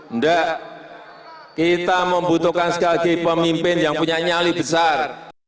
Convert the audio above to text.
enggak kita membutuhkan sekali lagi pemimpin yang punya nyali besar